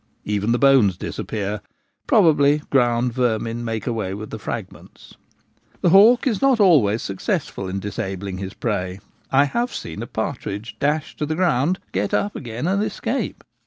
Even the bones disappear : probably ground vermin make away with the fragments. The hawk is not always successful in disabling his 1 24 The Gamekeeper at Home. prey. I have seen a partridge dashed to the ground, get up again, and escape.